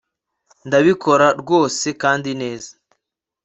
Ndabikora rwose kandi neza